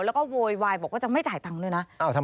แล้วก็โวยวายบอกว่าจะไม่จ่ายเงินด้วยนะอ้าวทำไมอ๋อนั่นสิอ่า